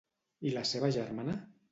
I la seva germana?